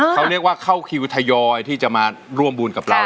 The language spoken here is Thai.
เขาเรียกว่าเข้าคิวทยอยที่จะมาร่วมบุญกับเรา